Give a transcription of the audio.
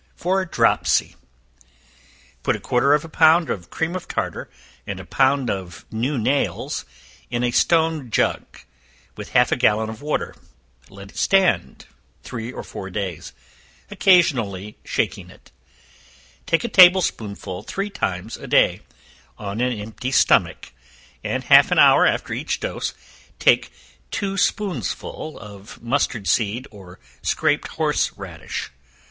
For Dropsy. Put a quarter of a pound of cream of tartar, and a pound of new nails, in a stone jug, with half a gallon of water, let it stand three or four days, occasionally shaking it; take a table spoonful three times a day, on an empty stomach, and half an hour after each dose, take two spoonsful of mustard seed or scraped horse radish.